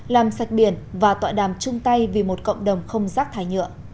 làm sạch biển và tọa đàm chung tay vì một cộng đồng không rác thải nhựa